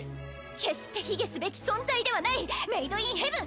決して卑下すべき存在ではないメイドインヘブン